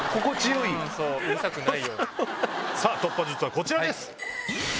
突破術はこちらです！